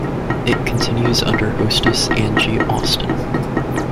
It continues under hostess Angie Austin.